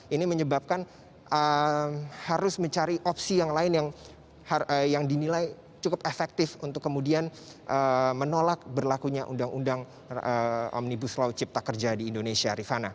ini menyebabkan harus mencari opsi yang lain yang dinilai cukup efektif untuk kemudian menolak berlakunya undang undang omnibus law cipta kerja di indonesia